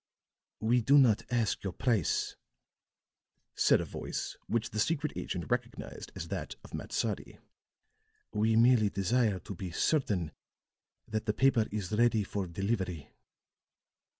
"We do not ask your price," said a voice which the secret agent recognized as that of Matsadi. "We merely desire to be certain that the paper is ready for delivery."